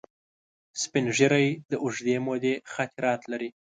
سپین ږیری د اوږدې مودې خاطرات لري